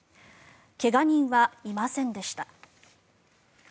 怪我人はいませんでした。